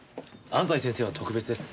安西先生は特別です。